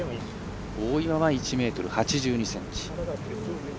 大岩は１ｍ８２ｃｍ。